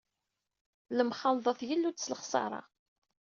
Lemxalḍa tgellu-d s lexṣara.